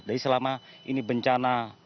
dari selama ini bencana